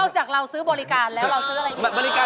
จากเราซื้อบริการแล้วเราซื้ออะไร